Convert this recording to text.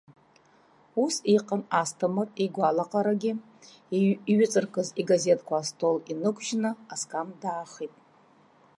Ус иҟан Асҭамыр игәалаҟарагьы, иҩыҵаркыз игазеҭқәа астол инықәыжьны, аскам даахеит.